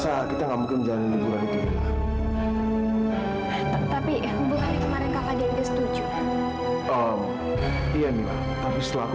soalnya kurasa kita nggak mungkin jalan liburan itu tapi kemarin setuju